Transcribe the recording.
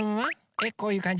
えっこういうかんじ？